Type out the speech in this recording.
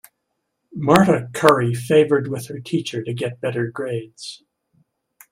Marta curry favored with her teacher to get better grades.